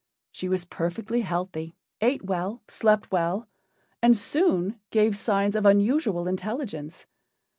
She was perfectly healthy, ate well, slept well, and soon gave signs of unusual intelligence.